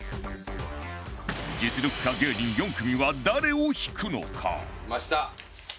実力派芸人４組は誰を引くのか？